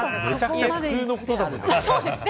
めちゃくちゃ普通のことだよね。